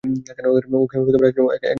ওকে একদম বোকা বানিয়ে দিয়েছ।